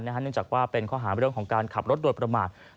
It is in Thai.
เนื่องจากเป็นข้อหาหาของการขับรถโดยประหมาตร